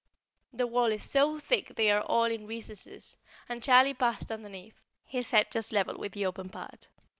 The wall is so thick they are all in recesses, and Charlie passed underneath, his head just level with the open part.